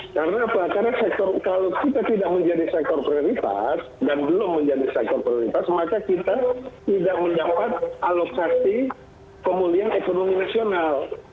karena apa karena kalau kita tidak menjadi sektor prioritas dan belum menjadi sektor prioritas maka kita tidak mendapat alokasi pemulihan ekonomi nasional